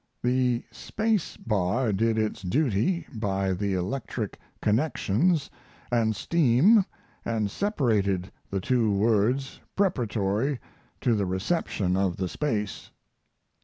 The space bar did its duty by the electric connections & steam & separated the two words preparatory to the reception of the space.